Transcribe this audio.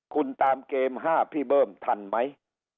คุณตามเกม๕พี่เบิ้มทันไหม